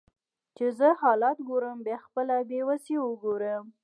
چې زه حالات ګورم بیا خپله بیوسي وګورم